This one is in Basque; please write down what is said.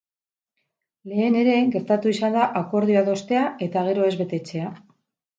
Lehen ere gertatu izan da akordioa adostea eta gero ez betetzea.